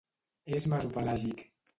És mesopelàgic.